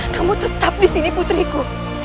kamu tetap di sini putriku